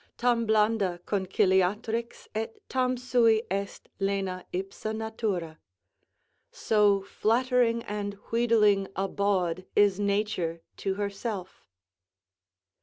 Tam blanda conciliatrix, et tam sui est lena ipsa natura. "So flattering and wheedling a bawd is nature to herself."